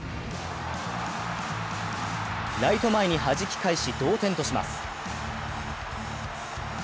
ライト前にはじき返し、同点とします。